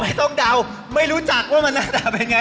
ไม่ต้องเดาไม่รู้จักว่ามันน่าจะเป็นยังไง